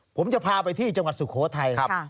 ผมจะพาไปที่จังหวัดสุโขทัย